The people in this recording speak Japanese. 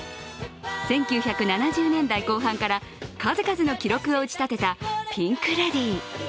１９７０年代後半から数々の記録を打ち立てたピンク・レディー。